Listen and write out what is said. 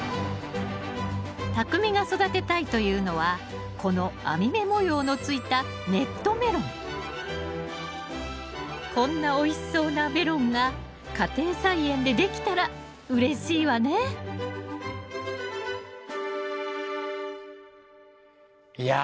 たくみが育てたいというのはこの網目模様のついたこんなおいしそうなメロンが家庭菜園でできたらうれしいわねいや